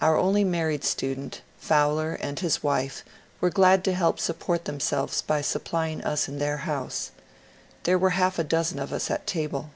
Our only married student, Fowler, and his wife were glad to help support themselves by supplying us in their house. There were half a dozen of us at table.